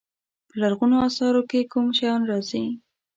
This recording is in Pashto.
په لرغونو اثارو کې کوم شیان راځي.